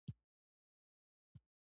سړی په بېړه ګوتمی راويستلې.